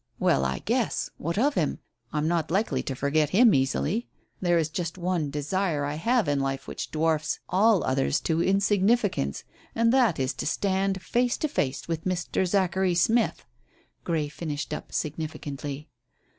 "Well, I guess. What of him? I'm not likely to forget him easily. There is just one desire I have in life which dwarfs all others to insignificance, and that is to stand face to face with Mr. Zachary Smith," Grey finished up significantly.